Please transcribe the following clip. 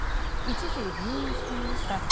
一時、入院していました。